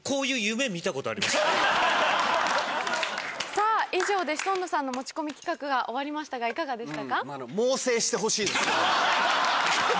さぁ以上でシソンヌさんの持ち込み企画が終わりましたがいかがでしたか？